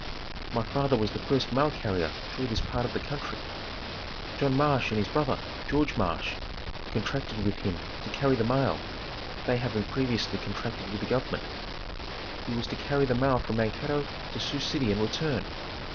My father was the first mail carrier through this part of the country. John Marsh and his brother, George Marsh contracted with him to carry the mail, they having previously contracted with the government. He was to carry the mail from Mankato to Sioux City and return.